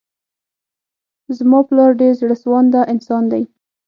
زما پلار ډير زړه سوانده انسان دی.